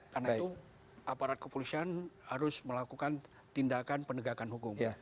karena itu aparat kepolisian harus melakukan tindakan penegakan hukum